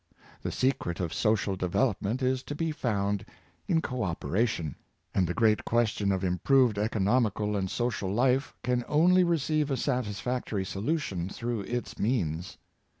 The secret of social development is to be found in co operation; and the great question of im proved economical and social life can only receive a satisfactory solution through its means.